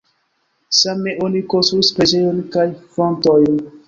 Same oni konstruis preĝejon kaj fontojn.